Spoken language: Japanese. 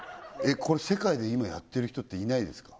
これ世界で今やってる人っていないですか？